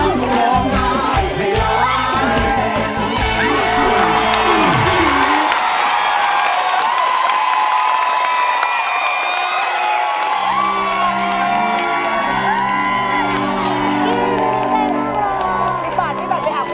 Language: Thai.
น้อง่ายแล้ว